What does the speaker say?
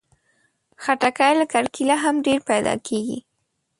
خټکی له کرکيله هم ډېر پیدا کېږي.